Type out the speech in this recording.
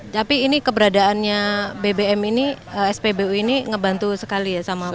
tapi ini keberadaannya bbm ini spbu ini ngebantu sekali ya sama